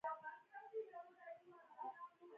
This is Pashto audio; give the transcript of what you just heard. زه به ښار ته ولاړ شم، ښه شپه ولرئ زمري.